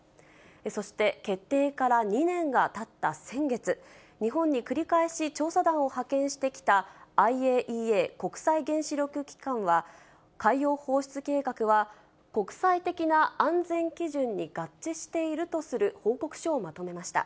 そして、決定から２年がたった先月、日本に繰り返し調査団を派遣してきた、ＩＡＥＡ・国際原子力機関は海洋放出計画は国際的な安全基準に合致しているとする報告書をまとめました。